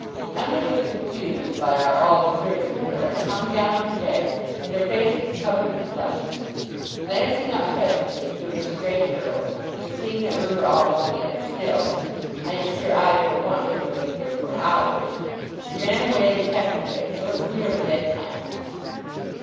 Em'ly was confused by our all observing her, and hung down her head, and her face was covered with blushes. Glancing up presently through her stray curls, and seeing that we were all looking at her still (I am sure I, for one, could have looked at her for hours), she ran away, and kept away till it was nearly bedtime.